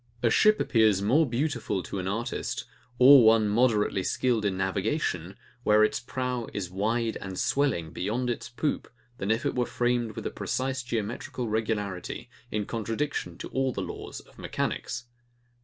A ship appears more beautiful to an artist, or one moderately skilled in navigation, where its prow is wide and swelling beyond its poop, than if it were framed with a precise geometrical regularity, in contradiction to all the laws of mechanics.